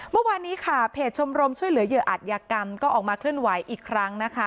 เมื่อวานนี้ค่ะเพจชมรมช่วยเหลือเหยื่ออัตยากรรมก็ออกมาเคลื่อนไหวอีกครั้งนะคะ